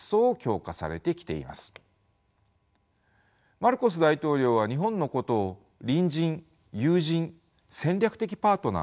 マルコス大統領は日本のことを隣人友人戦略的パートナーと呼んでいます。